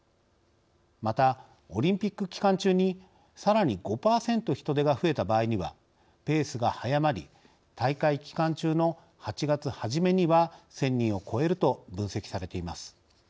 またオリンピック期間中にさらに５％人出が増えた場合にはペースが速まり大会期間中の８月初めには１，０００人を超えると分析されています。